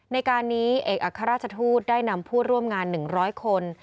ในการนี้เอกอัครราชทูตได้นำผู้ร่วมงาน๑๐๐คน